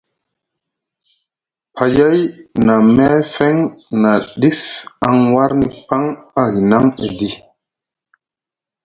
Payay na meefeŋ na ɗif aŋ warni paŋ a hinaŋ edi.